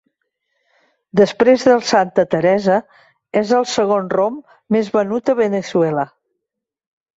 Després del Santa Teresa, és el segon rom més venut a Veneçuela.